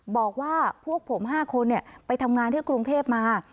บอกว่าพวกผม๕คนไปทำงานที่กรุงเทพมา